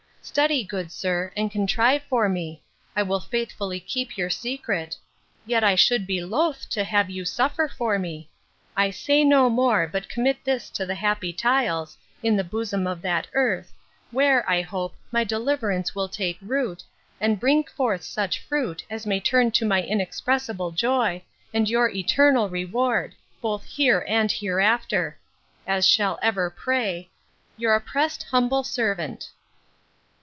Study, good sir, and contrive for me. I will faithfully keep your secret.—Yet I should be loath to have you suffer for me! I say no more, but commit this to the happy tiles, in the bosom of that earth, where, I hope, my deliverance will take root, and bring forth such fruit, as may turn to my inexpressible joy, and your eternal reward, both here and hereafter: As shall ever pray, 'Your oppressed humble servant.